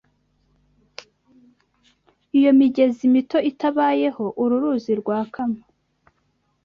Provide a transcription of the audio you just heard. Iyo migezi mito itabayeho, uru ruzi rwakama